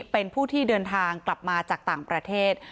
เป็นผู้ที่เดินทางกลับมาจากต่างประเทศ